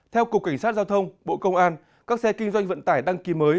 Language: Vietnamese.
theo cục cảnh sát giao thông bộ công an các xe kinh doanh vận tải đăng ký mới